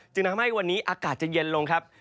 จึงทำให้วันนี้อากาศจะเย็นลงครับ